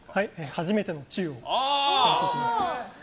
「はじめてのチュウ」を演奏します。